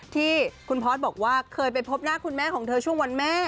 ที่คุณพอร์ตบอกว่าเคยไปพบหน้าคุณแม่ของเธอช่วงวันแม่